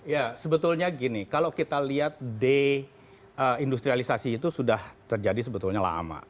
ya sebetulnya gini kalau kita lihat deindustrialisasi itu sudah terjadi sebetulnya lama